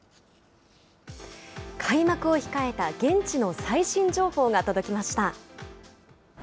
開幕を控えた現地の最新情報が届きました。